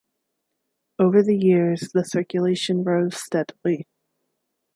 Over the years the circulation rose steadily.